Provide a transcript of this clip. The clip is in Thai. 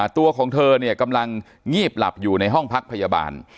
ตัวของเธอเนี่ยกำลังงีบหลับอยู่ในห้องพักพยาบาล